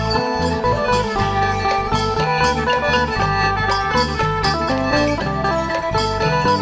โชว์ฮีตะโครน